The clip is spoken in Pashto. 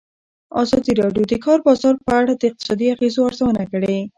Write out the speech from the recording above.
ازادي راډیو د د کار بازار په اړه د اقتصادي اغېزو ارزونه کړې.